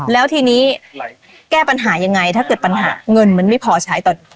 แล้วทีนี้แก้ปัญหายังไงถ้าเกิดปัญหาเงินมันไม่พอใช้ตอน